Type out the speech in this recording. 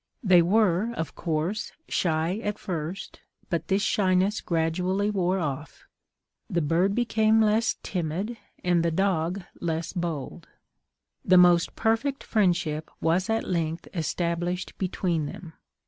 They were, of course, shy at first; but this shyness gradually wore off: the bird became less timid, and the dog less bold. The most perfect friendship was at length established between them.